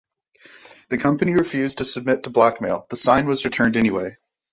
The company refused to submit to blackmail; the sign was returned anyway.